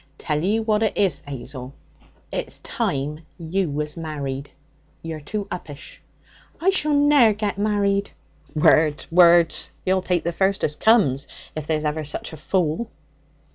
'Tell you what it is, 'Azel; it's time you was married. You're too uppish.' 'I shall ne'er get married.' 'Words! words! You'll take the first as comes if there's ever such a fool.'